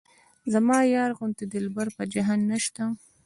زما یار غوندې دلبر په جهان نشته.